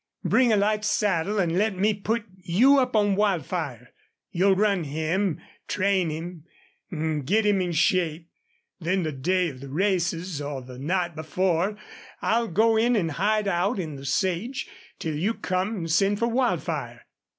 Bring a light saddle an' let me put you up on Wildfire. You'll run him, train him, get him in shape. Then the day of the races or the night before I'll go in an' hide out in the sage till you come or send for Wildfire."